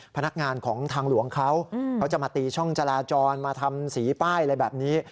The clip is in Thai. พนักงานของทางหลวงเขาเขาจะมาตีช่องจราจรมาทำสีป้ายอะไรแบบนี้